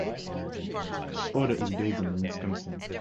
This order is based in Wisconsin.